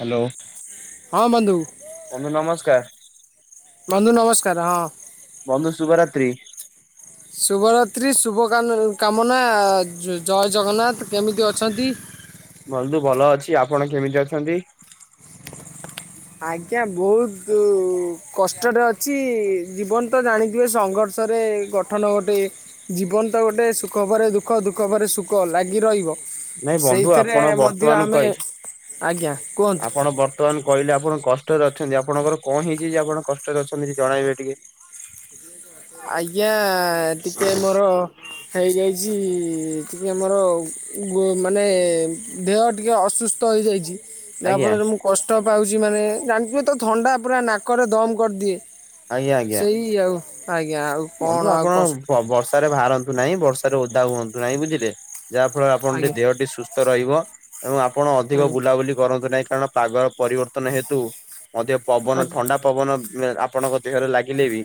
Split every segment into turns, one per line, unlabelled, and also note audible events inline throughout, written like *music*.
Hello.
ହଁ ବନ୍ଧୁ
ବନ୍ଧୁ ନମସ୍କାର
। ବନ୍ଧୁ ନମସ୍କାର, ହଁ
ବନ୍ଧୁ ଶୁଭରାତ୍ରି
ଶୁଭ ରାତ୍ରି, ଶୁଭକା କାମନା, ଜୟ ଜଗନ୍ନାଥ, କେମିତି ଅଛନ୍ତି?
ବନ୍ଧୁ ଭଲ ଅଛି, ଆପଣ କେମିତି ଅଛନ୍ତି?
ଆଜ୍ଞା, ବହୁତ କଷ୍ଟରେ ଅଛି ଜୀବନ ତ ଜାଣିଥିବେ ସଂଘର୍ଷ *unintelligible* ଗଠନ ଗୋଟେ ଜୀବନ ତ ଗୋଟେ ସୁଖ ପରେ ଦୁଃଖ ଦୁଃଖ ପରେ ସୁଖ ଲାଗି ରହିବ।
ନାଇଁ ବନ୍ଧୁ,
ସେଇଥିରେ
ଆପଣ
ମଧ୍ୟ
ବର୍ତ୍ତମାନ
ଆମେ
କହେ
ଆଜ୍ଞା କୁହନ୍ତୁ।
ଆପଣ ବର୍ତ୍ତମାନ କହିଲେ ଆପଣ କଷ୍ଟ କଷ୍ଟରେ ଅଛନ୍ତି ଆପଣଙ୍କର କଣ ହେଇଛି ଯେ ଆପଣ କଷ୍ଟରେ ଅଛନ୍ତି ଜଣାଇବେ ଟିକେ?
ଆଜ୍ଞା, ଟିକେ ମୋର ହେଇଯାଇଛି, ଟିକେ ମୋର ମାନେ ଦେହ ଟିକେ ଅସୁସ୍ଥ । ହୋଇଯାଇଛି । ଯାହା
ଆଜ୍ଞା
ଫଳରେ ମୁଁ କଷ୍ଟ ପାଉଛି, ମାନେ ଜାଣିଥିବେ ତ ଥଣ୍ଡା ପୁରା ନାକରେ ଦମ କରିଦିଏ ।
ଆଜ୍ଞା ଆଜ୍ଞା
ସେଇ ଆଉ ଆଜ୍ଞା ଆଉ କଣ
ବନ୍ଧୁ
ଆଉ
ଆପଣ
କଷ୍ଟ
ବର୍ଷରେ ବାହାରନ୍ତୁ ନାହିଁ, ବର୍ଷାରେ ଓଦା ହୁଅନ୍ତୁ ନାହିଁ ବୁଝିଲେ? ଯାହାଫଳରେ ଆପଣ
ଆଜ୍ଞା
ଦେହଟି ସୁସ୍ଥ ରହିବ ଏବଂ ଆପଣ ଅଧିକ
ଆଜ୍ଞା
ବୁଲାବୁଲି କରନ୍ତୁ ନାହିଁ । *unintelligible* ପାଗର ପରିବର୍ତ୍ତନ ହେତୁ ମଧ୍ୟ ପବନ
ଆଜ୍ଞା
ଥଣ୍ଡା ପବନ ଆପଣଙ୍କ ଦେହରେ ଲାଗିଲେ ବି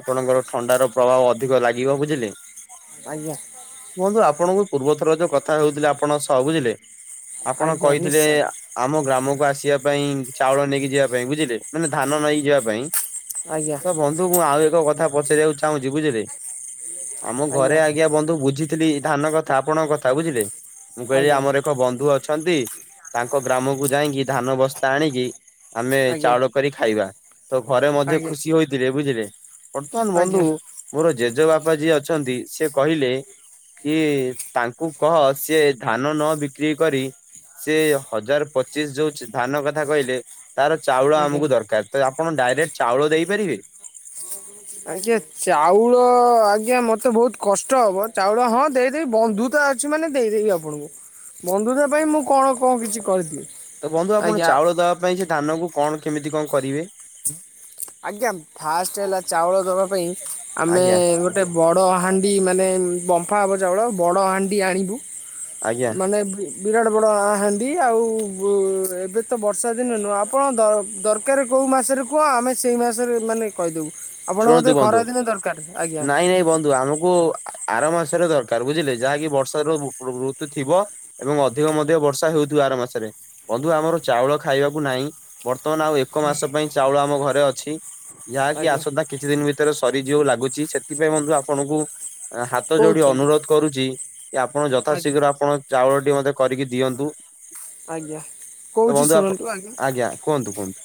ଆପଣଙ୍କର ଥଣ୍ଡାର ପ୍ରଭାବ ଅଧିକ ଲାଗିବ ବୁଝିଲେ?
ଆଜ୍ଞା
ବନ୍ଧୁ ଆପଣଙ୍କୁ ପୂର୍ବ ଥର ଯୋଉ କଥା ହଉଥିଲେ ଆପଣଙ୍କ ସହ ବୁଝିଲେ? ଆପଣ
ଆଜ୍ଞା
କହିଥିଲେ
ନିଶ୍ଚୟ
ଆମ ଗ୍ରାମକୁ ଆସିବା ପାଇଁ, ଚାଉଳ ନେଇକି ଯିବା ପାଇଁ ବୁଝିଲେ, ମାନେ ଧାନ ନେଇକି ଯିବା ପାଇଁ
ଆଜ୍ଞା
ତ ବନ୍ଧୁ ମୁଁ ଆଉ ଏକ କଥା ପଚାରିବାକୁ ଚାହୁଁଛି ବୁଝିଲେ? ଆମ ଘରେ ଆଜ୍ଞା ବନ୍ଧୁ ବୁଝିଥିଲି ଧାନ କଥା ଆପଣଙ୍କ କଥା ବୁଝିଲେ ମୁଁ କହିଲି
ଆଜ୍ଞା
ଆମର ଏକ ବନ୍ଧୁ ଅଛନ୍ତି ତାଙ୍କ ଗ୍ରାମକୁ ଯାଇକି ଧାନ ବସ୍ତା ଆଣିକି ଆମେ
ଆଜ୍ଞା
ଚାଉଳ କରି ଖାଇବା ତ ଘରେ ମଧ୍ୟ
ଆଜ୍ଞା
ଖୁସି ହୋଇଥିଲେ ବୁଝିଲେ ବର୍ତ୍ତମାନ ବନ୍ଧୁ
ଆଜ୍ଞା
ମୋର ଜେଜେ ବାପା ଯିଏ ଅଛନ୍ତି ସେ କହିଲେ କି ତାଙ୍କୁ କହ ସିଏ ଧାନ ନ ବିକ୍ରି କରି ସେ ହଜାର ପଚିଶ ଯୋଉ ଧାନ କଥା କହିଲେ ତାର ଚାଉଳ
ଆଜ୍ଞା
ଆମକୁ ଦରକାର ତ ଆପଣ ଡାଇରେକ୍ଟ ଚାଉଳ ଦେଇପାରିବେ?
ଆଜ୍ଞା ଚାଉଳ ଆଜ୍ଞା ମତେ ବହୁତ କଷ୍ଟ ହବ ଚାଉଳ ହଁ ଦେଇଦେବି ବନ୍ଧୁ ତ ମାନେ ଦେଇଦେବି ଆପଣଙ୍କୁ ବନ୍ଧୁତା ପାଇଁ ମୁଁ କଣ କଣ କିଛି କରିଦବି।
ତ ବନ୍ଧୁ ଆପଣ ଚାଉଳ ଦବା ପାଇଁ ସେ ଧାନ କ କଣ କେମିତି କଣ କରିବେ?
ଆଜ୍ଞା ଫାଷ୍ଟ ହେଲା ଚାଉଳ ଦେବା ପାଇଁ ଆମେ
ଆଜ୍ଞା
ଗୋଟେ ବ ବଡ଼ ହାଣ୍ଡି ମାନେ ବମ୍ଫା ହେବ ଚାଉଳ ବଡ଼ ହାଣ୍ଡି ଆଣିବୁ
ଆଜ୍ଞା
ମାନେ ବିରାଟ ବଡ଼ ହାଣ୍ଡି ଆଉ ଏବେ ତ ବର୍ଷା ଦିନ ନୁହେଁ ଆପଣ ଦରକାର କେଉଁ ମାସରେ କୁହ ଆମେ ସେଇ ମାସରେ ମାନେ କହିଦେବୁ? ଆପଣ ବୋଧେ
ଶୁଣନ୍ତୁ ବନ୍ଧୁ
ଖରାଦିନେ ଦରକାର ଆଜ୍ଞା
ନାଇଁ ନାଇଁ ବନ୍ଧୁ ଆମକୁ ଆର ମାସରେ ଦରକାର ବୁଝିଲେ ଯାହାକି ବର୍ଷାର ଋତୁ ଥିବ ଏବଂ ଅଧିକ ମଧ୍ୟ ବର୍ଷା ହେଉ ର ମାସରେ ବନ୍ଧୁ ଆମର ଚାଉଳ ଖାଇବାକୁ ନାହିଁ ବର୍ତ୍ତମାନ ଆଉ ଏକ ମାସ ପାଇଁ ଚାଉଳ ଆମ ଘରେ ଅଛି ଯାହାକି
ଆଜ୍ଞା
ଆସତାା ଭିତରେ ସରିଯଉ ଲାଗୁଛି ସେଥିପାଇଁ ବଧୁ ଆପଣଙ୍କୁ ହାତ ଯୋଡି
କହୁଛନ୍ତି
ଅନୁରୋଧ କରୁଛି କି ଆପଣ
ଆଜ୍ଞା।
ଯଥାଶୀଘ୍ର ଆପଣ ଚାଉଳ ମତେ କରିକି ଦିଅନ୍ତୁ
ଆଜ୍ଞା
ତ
କହୁଛି
ବନ୍ଧୁଣ
ଶୁଣନ୍ତୁ
ଆଜ୍ଞା କୁହନ୍ତୁ କୁହନ୍ତୁ।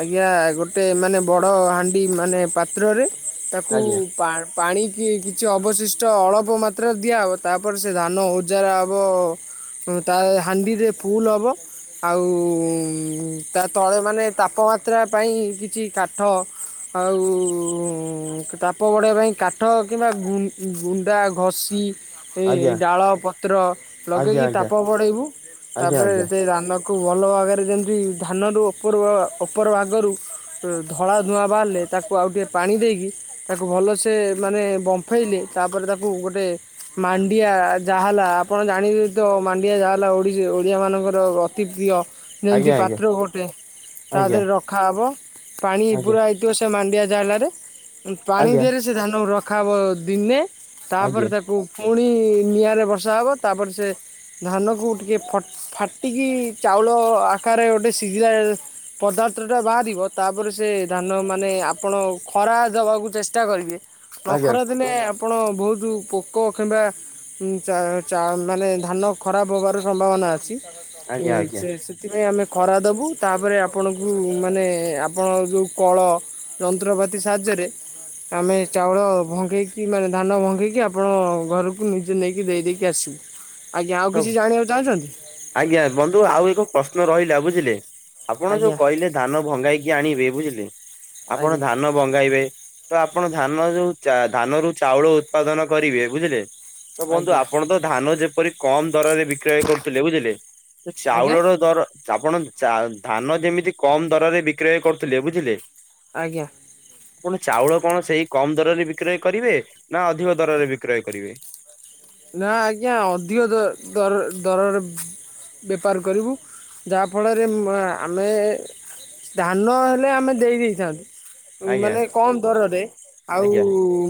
ଆଜ୍ଞା ଗୋଟେ ମାନେ ବଡ଼ ହାଣ୍ଡି ମାନେ ପାତ୍ରରେ ତାକୁ
ଆଜ୍ଞା
ପା ପାଣି କି କିଛି ଅବଶିଷ୍ଟ ଅଳପ ମାତ୍ରାରେ ଦିଆହେବ ତାପରେ ସେ ଧାନ ଉଜାରା ହେବ ତା ହାଣ୍ଡିରେ ଫୁଲ ହବ ଆଉ ତା ତଳେ ମାନେ ତାପମାତ୍ରା ପାଇଁ କିଛି କାଠ ଆଉ ତାପ ବଢ଼ିବା ପାଇଁ କାଠ କିମ୍ବା ଗୁଣ୍ଡା ଘଷି ଏ
ଆଜ୍ଞା
ଡାଳ ପତ୍ର
ଆଜ୍ଞା
ଲଗେଇକି ତାପ ବଡ଼ାଇବୁ
ଆଜ୍ଞା
ତାପରେ
ଆଜ୍ଞା
ସେତ ଦାନ ତା କୁ ଭଲ ଆଗରେ ଯେମିତି ଧାନରୁ ଉପର ଉପର ଆଗରୁ ଧଳା ଧୂଆଁ ବାହାରିଲେ ତାକୁ ଆଉ ଟିକିେ ପାଣି ଦେଇକି ତାକୁ ଭଲସେ ମାନେ ବମ୍ଫେଇଲେ ତାପରେ ତାକୁ ଗୋଟେ ମାଣ୍ଡିଆ ଯାହାଲା ଆପଣ ଜାଣିବେ ତ ମାଣ୍ଡିଆ ଯାହାଲା ଓଡିଶୀ ଓଡ଼ିଆମାନଙ୍କର ଅତି ପ୍ରିୟ ଯେମ
ଆଜ୍ଞା ଆଜ୍ଞା
ପାତ୍ର ଗୋଟେ ତା
ଆଜ୍ଞା
ଦେହରେ ରଖାହବ ପାଣି ପ
ଆଜ୍ଞା ଆଜ୍ଞା
ହେଥିବ କଣ୍ଡିଆ ଜାଲରେ ପାଣି
ଆଜ୍ଞା
ଦିହ ରେ ସେ ଧାନ ରଖା ଦିନେ
ଆଜ୍ଞା
ତାପରେ ତାକୁ ଫୁଣି ନିଆଁ ରେ ବର୍ଷା ହେବ ତା ପରେ ସେ ଧାନକୁ ଟିକେ ଫାଟିକି ଚାଉଳ ଆକାରରେ ଗୋଟେ ସିଝିଲା ପଦାର୍ଥ ଟା ବାହାରିବ ତାପରେ ସେ ଧାନ ମାନେ ଆପଣ ଖରା ଦବାକୁ ଚେଷ୍ଟା କରିବେ
ଆଜ୍ଞା
ନଖରା ଦେଲେ ଆପଣ ବହୁତ ପୋକ କିମ୍ବା ଚା ଚା ମାନେ ଧାନ ଖରାପ ହେବାର ସମ୍ଭାବନା
ଆଜ୍ଞା ଆଜ୍ଞା
ସେଥିପାଇଁ ଆମେ ଖରା ଦବୁ ତାପରେ ଆପ ଆପଣଙ୍କୁ ମାନେ ଆପଣ ଯୋଉଁ କଳ ଯନ୍ତ୍ରପାତି ସାହାଯ୍ୟରେ ଆମେ ଚାଉଳ ଭଙ୍ଗେଇକି ମାନେ ଧାନ ଭଙ୍ଗେଇକି ଆପଣ ଘରକୁ ନିଜେ ନେଇକି ଦେଇ ଦେଇେଇକି ଆସିବୁ। *unintelligible*
ସବୁ
କିଛି ଜାଣିବାକୁ ଚାହୁଁଛନ୍ତି
ଆଜ୍ଞା ବନ୍ଧୁ ଆଉ ଏକ ପ୍ରଶ୍ନ ରହିଲା ବୁଝିଲେ ଆପଣ ଯୋଉ
ଆଜ୍ଞା
କହିଲେ ଧାନ ଭଙ୍ଗେଇକି ଆଣିବେ ବୁଝିଲେ ଆପଣ
ଆଜ୍ଞା
ଧାନ ବଙ୍ଗାଇବେ ତ ଆପଣ ଧାନ ଯୋଉ ଧାନରୁୁ ଚାଉଳ ଉତ୍ପାଦନ କରିବେ ବୁଝିଲେ ତ ବନ୍ଧୁ
ଆଜ୍ଞା
ଆପଣ ତ ଧାନ ଯେପରି କମ ଦରରେ ବିକ୍ରୟ କରୁଥିଲେ ବୁଝିଲେ
ଆଜ୍ଞା
ଚାଉଳର ଦର ଆପଣ ଧାନ ଯେମିତି କମ ଦରରେ ବିକ୍ରୟ କରୁଥିଲେ ବୁଝିଲେ
ଆଜ୍ଞା।
ପୁଣି ଚାଉଳ କଣ ସେଇ କମ୍ ଦରରେ ବିକ୍ରୟ କରିବେ ନା ଅଧିକ ଦରରେ ବିକ୍ରୟ କରିବେ?
ନା ଆଜ୍ଞା ଅଧିକ ଦର୍ ଦର ଦରରେ ବେପାର କରିବୁ ଯାହାଫଳରେ ଉମ୍ ଆ ଆମେ ଧାନ ହେଲେ ଆମେ ଦେଇ ଦେଇଥାନ୍ତୁ।
ଆଜ୍ଞା
ମାନେ କମ ଦରରେ ଆଉ
ଆଜ୍ଞା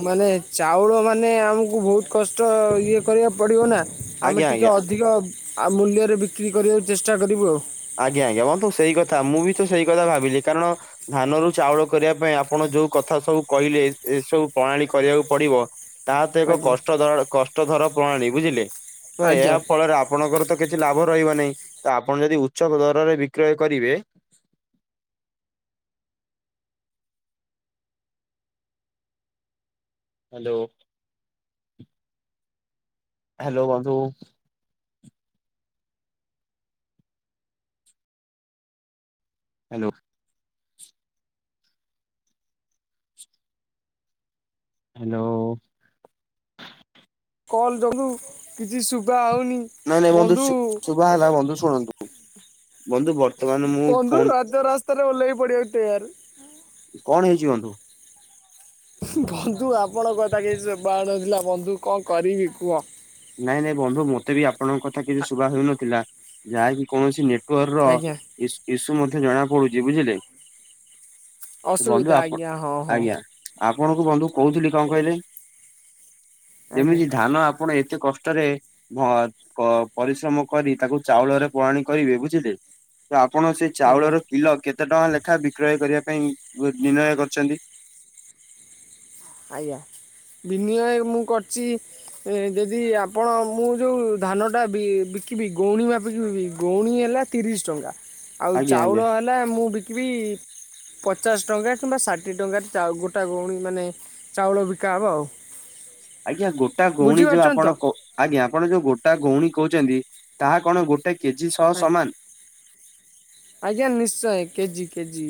ମାନେ ଚାଉଳ ମାନେ ଆମକୁ ବହୁତ କଷ୍ଟ ଇଏ କରିବାକୁ ପଡ଼ିବ ନା ଆମେ
ଆଜ୍ଞା
ଟିକେ
ଆଜ୍ଞା।
ଅଧିକ ଆ ମୂଲ୍ୟରେ ବିକ୍ରି କରିବାକୁ ଚେଷ୍ଟା କରିବୁ ଆଉ।
ଆଜ୍ଞା ଆଜ୍ଞା ବନ୍ଧୁ ସେଇ କଥା ମୁଁ ବି ତ ସେଇ କଥା ଭାବିଲି କାରଣ ଧାନରୁ ଚାଉଳ କରିବା ପାଇଁ ଆପଣ ଯୋଉ କଥା ସବୁ କଇଲେ ଏ ସବୁ ପଣାଳୀ କରିବାକୁ ପଡିବ। ତାହା ତ ଏକ
ଆଜ୍ଞା
କଷ୍ଟଧରଳ କଷ୍ଟ ଧର ପ୍ରଣାଳୀ ବୁଝିଲେ। ତ
ଆଜ୍ଞା
ଏହା ଫଳରେ ଆପଣଙ୍କର ତ କିଛି ଲାଭ ରହିବ ନାହିଁ ତ ଆପଣ ଯଦି ଉଚ୍ଚ ଦରରେ ବିକ୍ରୟ କରିବେ। ହାଲୋ। ହ୍ୟାଲୋ ବନ୍ଧୁ। ହାଲୋ। ହାଲୋ।
କଲ ଯୋଗୁ କିଛି ସୁଭା ହଉନି
ନାଇ ନାଇ ବନ୍ଧୁ ସେ ବା ହେଲା ବନ୍ଧୁ ଶୁଣନ୍ତୁ ବନ୍ଧୁ ବର୍
ବନ୍ଧୁ ରାଜ ରାସ୍ତାରେ ଓହ୍ଲେଇ ପଡିବାକୁ ତେୟାର।
କଣ ହେଇଚି ବନ୍ଧୁ?
ବନ୍ଧୁ ଆପଣଙ୍କ କଥା କିଛି ଶୁଭା ହଉନଥିଲା ବନ୍ଧୁ କଣ କରିବି କୁହ?
ନାଇ ନାଇ ବନ୍ଧୁ ମୋତେ ବି ଆପଣଙ୍କ କଥା କିଛି ଶୁଭା ହେଉନଥିଲା ଯାହାକି କୌଣସି ନେଟ୍ ପୁଅ ର
ଆଜ୍ଞା
ଇସ୍ ଇସୁ ମଧ୍ୟ ଜଣାପଡୁଚି ବୁଝିଲେ। ବନ୍ଧୁ
ଅସୁବିଧା
ଆପ
ଆଜ୍ଞା ହଁ ହଁ
ଆଜ୍ଞା ଆପଣଙ୍କୁ ବନ୍ଧୁ କହୁଥିଲି କଣ
ଆଜ୍ଞା
କହିଲେ?
ଆଜ୍ଞା
ଯେମିତି ଧାନ ଆପଣ ଏତ୍ ଏତେ କଷ୍ଟରେ ଭ ପ ପରିଶ୍ରମ କରି ତାକୁ ଚାଉଳରେ ପଣାଳୀ କରିବେ ବୁଝିଲେ। ତ ଆପଣ ସେ
ଆଜ୍ଞା
ଚାଉଳର କିଲ କେତ୍ କେତେ ଟଙ୍କା ଲେଖା ବିକ୍ରୟ କରିବା ପାଇଁ ନି ନି ନିର୍ଣ୍ଣୟ କରିଛନ୍ତି।
ଆଜ୍ଞା ବିନିମୟ ମୁଁ କରିଚି। ଏ ଯେଦି ଆପଣ ମୁଁ ଯୋଉ ଧାନ ଟା ବି ବିକିବି ଗଉଣୀ ମାପିକିବି ଗଉଣୀ। ହେଲା ତିରିଶ ଟଙ୍କା ଆଉ
ଆଜ୍ଞା
ଚାଉଳ
ଆଜ୍ଞା
ହେଲା ମୁଁ ବିକ୍ କି ବି ପଚାଶ ଟଙ୍କା କିମ୍ବା ଷାଠିଏ ଟଙ୍କାରେ ଚାଉଳ ଗୋଟା ଗଉଣୀ ମାନେ ଚାଉଳ ବିକା ହବ ଆଉ।
ଆଜ୍ଞା ଗୋଟା ଗଉଣୀ ଯୋଉ
ବୁଝିପାରୁଛନ୍ତି
ଆପଣକ
ତ?
ଆଜ୍ଞା। ଆପଣ ଯୋଉ ଗୋଟା ଗଉଣୀ କହୁଚନ୍ତି ତାହା କଣ ଗୋଟେ କେଜି ସହ ସମାନ।
ଆଜ୍ଞା ନିଶ୍ଚୟ କେଜି କେଜି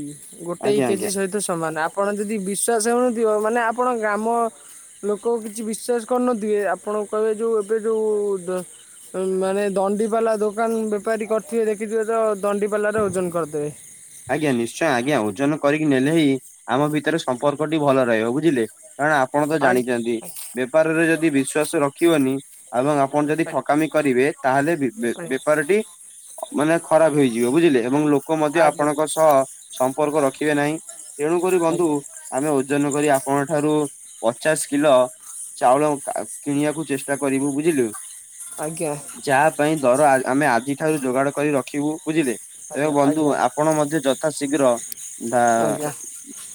ଗୋଟେ
ଆଜ୍ଞା ଆଜ୍ଞା।
କେଜି ସହିତ ସମାନ ଆପଣ ଯେଦି ବିଶ୍ଵାସ ହଉନି କିଏ ହବ ମାନେ ଆପଣ ଗ୍ରାମ? ଲୋକ କିଛି ବିଶ୍ଵାସ କରୁନଥିବେ ଆପଣ କହିବେ ଯୋଉ ଏବେ ଯୋଉ ମାନେ ଦଣ୍ଡି ପାଲା ଦୋକାନ ବେପାରୀ କରିଥିବେ ଦେଖିଥିବେ ତ ଦଣ୍ଡି ପାଲାରେ ଓଜନ କରଦେବେ।
ଆଜ୍ଞା ନିଶ୍ଚୟ ଆଜ୍ଞା ଓଜନ କରିକି ନେଲେ ହିଁ ଆମ ଭିତରେ ସମ୍ପର୍କଟି ଭଲ ରହିବ ବୁଝିଲେ। କାରଣ ଆପଣ ତ
ଆ
ଜାଣିଚନ୍ତି ବେପାରରେ ଯଦି ବିଶ୍ଵାସ ରଖିବନି ଏବଂ ଆପଣ ଯଦି ଠକାମି କରିବେ ତାହେଲେ ବେ-ବେ ବେପାରିଟି ମାନେ ଖରାପ ହେଇଯିବ ବୁଝିଲେ ଏବଂ ଲୋକ ମଧ୍ୟ
ଆଜ୍ଞା
ଆପଣଙ୍କ ସହ ସମ୍ପର୍କ ରଖିବେ ନାହିଁ। ତେଣୁ କରି ବନ୍ଧୁ
ଆଜ୍ଞା
ଆମେ ଓଜନ କରି ଆପଣଙ୍କ ଠାରୁ ପଚାଶ କିଲ ଚାଉଳ କିଣିବାକୁ ଚେଷ୍ଟା କରିବୁ ବୁଝିଲୁ।
ଆଜ୍ଞା ଆଜ୍ଞା
ଯାହା ପାଇଁ ଦର ଆ ଆମେ ଆଜିଠାରୁ ଯୋଗାଡ କରି ରଖିବୁ। ବୁଝିଲେ ଏ ବନ୍ଧୁ
ଆଜ୍ଞା
ଆପଣ ମଧ୍ୟ ଯଥା ଶୀଘ୍ର ବା
ଆଜ୍ଞା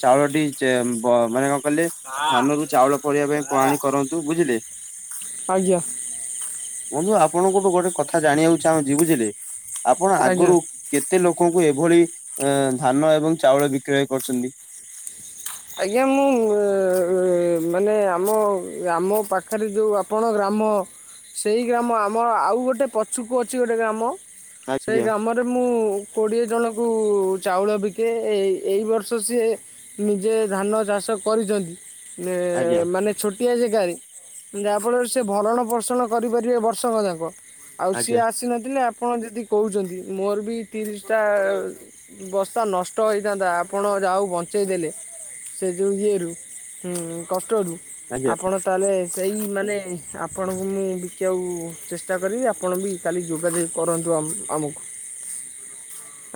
ଚାଉଳ ଟି ଚେ ମ୍ବ ମାନେ କଁ କହିଲେ ଧାନରୁ ଚାଉଳ କରିବା ପାଇଁ ପଣାଳୀ କରନ୍ତୁ ବୁଝିଲେ।
ଆଜ୍ଞା।
ବନ୍ଧୁ ଆପଣଙ୍କଠୁ ଗୋଟେ କଥା ଜାଣିବାକୁ ଚାହୁଁଚି ବୁଝିଲେ ଆପଣ
ଆଜ୍ଞା
ଆଗରୁ କେ ତେ ଲୋକଙ୍କୁ ଏଭଳି ଧାନ ଏବଂ ଚାଉଳ ବିକ୍ରୟ କରୁଚନ୍ତି?
ଆଜ୍ଞା ମୁଁ ମାନେ ଆମ ଆମ ପାଖରେ ଯୋଉ ଆପଣ ଗ୍ରା ମ ସେଇ ଗ୍ରାମ ଆମ ଆଉ ଗୋଟେ ପଛୁକୁ ଅଛି ଗୋଟେ ଗ୍ରାମ ସେଇ
ଆଜ୍ଞା
ଗ୍ରାମରେ ମୁଁ କୋଡିଏ ଜଣକୁ ଚାଉଳ ବିକେ ଏ ଏଇ ବର୍ଷ ସିଏ ନି ଯେ ଧାନ ଚାଷ କରିଚନ୍ତି
ଆଜ୍ଞା
ମାନେ ଛୋଟ ପିଆଜ ଗା *unintelligible* ଯାହାଫଳରେ ସେ ଭରଣ ପୋଷଣ କରିପାରିବେ ବର୍ଷକ ଯାକ। ଆଉ ସିଏ
ଆଜ୍ଞା
ଆସିନଥିଲେ ଆପ ଆପଣ ଯଦି କହୁଚନ୍ତି ମୋର ବି ତିରିଶଟା ବସ୍ତା ନଷ୍ଟ ହୋଇଇଥାନ୍ତା ଆପଣ ଯାହା ହୋଉ ଉ ବଞ୍ଚେଇଦେଲେ। ସେ ଯେଉଁ ଇଏରୁ କଷ୍ଟରୁ
ଆଜ୍ଞା
ଆପଣ ତାହେଲେ ସେଇ ମାନେ ଆପଣଙ୍କୁ ମୁଁ ବିକିବାକୁ ଚେଷ୍ଟା କରିବି ଆପଣ ବି କାଲି ଯୋଗାଯୋଗ କରନ୍ତୁ। *unintelligible* ଆମକୁ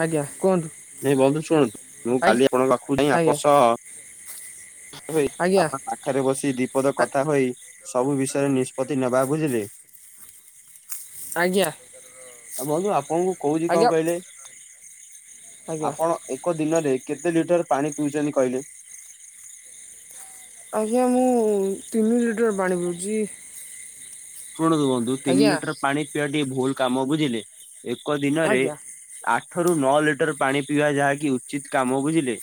ଆଜ୍ଞା କୁହନ୍ତୁ।
ନାଇଁ ବନ୍ଧୁ ଶୁଣନ୍ତୁ ମୁଁ
ଆଜ୍ଞା
କାଲି ଆପଣଙ୍କ ପାଖକୁ ଯାଇ
ଆଜ୍ଞା
ଆପସ ହଁ ଭାଇ
ଆଜ୍ଞା
ଆମ ପାଖରେ ବସି ଦୀପଦ କଥା ହୋଇ। ସବୁ ବିଷୟରେ ନିଷ୍ପତ୍ତି ନବା ବୁଝିଲେ।
ଆଜ୍ଞା
ଆଉ ବନ୍ଧୁ ଆପଣଙ୍କୁ କୋହୁଚି କଣ
ଆଜ୍ଞା
କହିଲେ।
ଆଜ୍ଞା
ଆପଣ ଏକ ଦିନରେ କେତେ ଲିଟର ପାଣି ପିଉଚନ୍ତି କହିଲେ?
ଆଜ୍ଞା ମୁଁ ତିନି ଲିଟର ପାଣି ପିଉଚି।
ଶୁଣନ୍ତୁ ବନ୍ଧୁ ତିନି ଲିଟର ପାଣି ପିଇବା ଟିକେ ଭୁଲ କାମ ବୁଝିଲେ ଏକ ଦିନରେ
ଆଜ୍ଞା
ଆ ଆଠରୁ ନଅ ଲିଟର ପାଣି ପିଇବା ଯାହାକି ଉଚିତ କାମ ବୁଝିଲେ।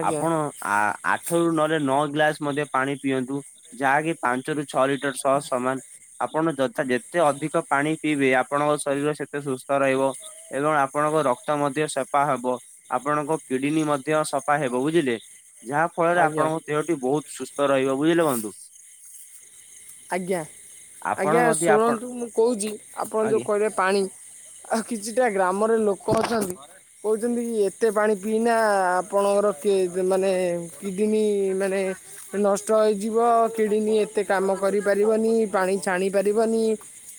ଆଜ୍ଞା
ଆପଣ ଆ ଆଠରୁ ନହେଲେ ନଅ ଗ୍ଲାସ ମଧ୍ୟ ପାଣି ପିଅନ୍ତୁ ଯାହାକି ପାଞ୍ଚରୁ ଛଅ ଲିଟର ସହ ସମାନ। ଆପଣ ଯଥା ଯେତେ ଅଧିକ ପାଣି ପିଇବେ ଆପଣଙ୍କ ଶରୀର ସେତେ ସୁସ୍ଥ ରହିବ। ଏବଂ ଆପଣ ଆପଣଙ୍କ ରକ୍ତ ମଧ୍ୟ ସଫା ହବ ଆପଣଙ୍କ କିଡନୀ ମଧ୍ୟ ସଫା ହେବ ବୁଝିଲେ। ଯାହା ଫଳରେ
ଆଜ୍ଞା ଆଜ୍ଞା
ଆପଣଙ୍କ ଦେହଟି ବୋହୁତ ସୁସ୍ଥ ରହିବ ବୁଝିଲେ ବନ୍ଧୁ।
ଆଜ୍ଞା
ଆପଣ
ଆଜ୍ଞା
ମଧ୍ୟ ଆପଣ
ଶୁଣନ୍ତୁ ମୁଁ କୋହୁଚି ଆପଣ ଯେଉଁ
ଆଜ୍ଞା
କହିବେ ପାଣି ଆଉ କିଛିଟା ଗ୍ରାମରେ ଲୋକ ଅଛନ୍ତି କୋହୁଚନ୍ତି କି ଏତେ ପାଣି ପିଇନା ଆପଣଙ୍କର କି ମାନେ କିଡନୀ ମାନେ ନଷ୍ଟ ହେଇଯିବ କିଡନୀ ଏତେ କାମ କରିପାରିବନି ପାଣି ଛାଣି ପାରିବନି।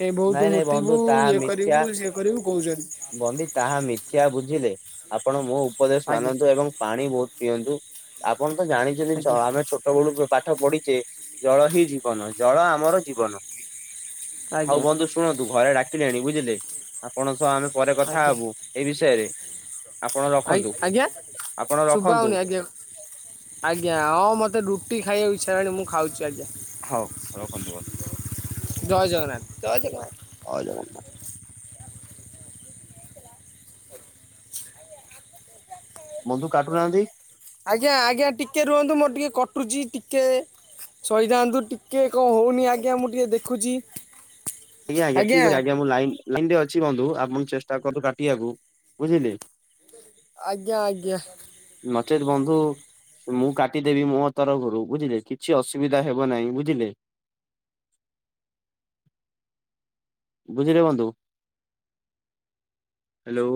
ଏ ବୋଉ ତୁ
ନାଇଁ ନାଇଁ
ମୁତିବୁ
ତାହା
ଇଏ
ମିଥ୍ୟା।
କରିବୁ ସିଏ କରିବୁ। କହୁଛନ୍ତି
ବନ୍ଧୁ ତାହା ମିଥ୍ୟା ବୁଝିଲେ, ଆପଣ ମୋ ଉପଦେଶ
ଆଜ୍ଞା
ମାନନ୍ତୁ ଏବଂ ପାଣି ବୋହୁତ ପିଅନ୍ତୁ। ଆପଣ ତ ଜାଣିଚନ୍ତି ଜ
ଆଜ୍ଞା
ଆମେ ଛୋଟ ବେଳୁ ପା ଠ ପଢିଚେ ଜଳ ହିଁ ଜୀବନ ଜଳ ଆମର ଜୀବନ। ହୋଉ
ଆଜ୍ଞା
ବନ୍ଧୁ ଶୁଣନ୍ତୁ ଘରେ ଡାକିଲେଣି ବୁଝିଲେ ଆପଣଙ୍କ ସହ ଆମେ ପରେ କଥା ହୋବୁ ଏଇ ବିଷୟରେ। ଆପଣ
ଆଇ
ରଖନ୍ତୁ
ଆଜ୍ଞା
ଆପଣ
ଶୁଭା
ରଖନ୍ତୁ
ହୋଉନି ଆଜ୍ଞା। ଆଜ୍ଞା ହଁ ମତେ ରୁଟି ଖାଇଆକୁ ଇଚ୍ଛା ହେଲାଣି ମୁଁ ଖାଉଚି।
ହୋଉ ରଖନ୍ତୁ।
ଜୟ ଜଗନ୍ନାଥ। ଜୟ ଜଗନ୍ନାଥ
ଜୟ ଜଗନ୍ନାଥ। ବନ୍ଧୁ କାଟୁ ନାହାନ୍ତି।
ଆଜ୍ଞା ଆଜ୍ଞା ଟିକେ ରୁହନ୍ତୁ ମୋର ଟିକେ କଟୁଚି ଟିକେ ସହିଯାଆନ୍ତୁ ଟିକେ କଣ ହଉନି ଆଜ୍ଞା ମୁଁ ଟିକେ ଦେଖୁଚି।
ଆଜ୍ଞା ଆଜ୍ଞା ଠିକ କରି ଆଜ୍ଞା ମୁଁ ଲାଇନ୍ ଲାଇନରେ ଅଛି ବନ୍ଧୁ ଆପଣ ଚେଷ୍ଟା କରନ୍ତୁ କାଟିଆକୁ ବୁଝିଲେ।
ଆଜ୍ଞା ଆଜ୍ଞା
ନଚେତ୍‌ ବନ୍ଧୁ ମୁଁ କାଟିଦେବି ମୋ ତରଫରୁ ବୁଝିଲେ କିଛି ଅସୁବିଧା ହେବ ନାହିଁ ବୁଝିଲେ। ବୁଝିିଲେ ବନ୍ଧୁ? ହ୍ୟାଲୋ!